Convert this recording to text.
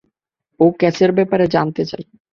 ও কেসের ব্যাপারে জান চায়।